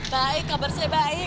baik kabar saya baik